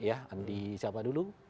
andi siapa dulu